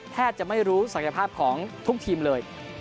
แทบจะไม่รู้ศักยภาพของทุกทีมเลย